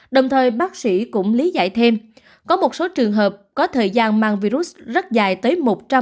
đồng thời bác sĩ cũng lý dạy thêm có một số trường hợp có thời gian mang virus rất dài tới một trăm linh